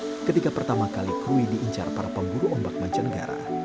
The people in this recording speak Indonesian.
sejak tahun enam puluh an ketika pertama kali krui diincar para pemburu ombak mancanegara